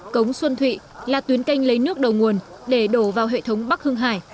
cống xuân thụy là tuyến canh lấy nước đầu nguồn để đổ vào hệ thống bắc hưng hải